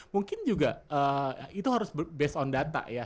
mungkin juga itu harus berdasarkan data ya